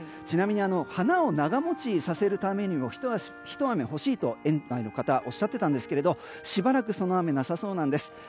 ちなみに花を長持ちさせるためにもひと雨欲しいと園の方はおっしゃっていたんですがしばらくその雨はなさそうなんです。